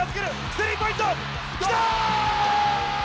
スリーポイント、きたー！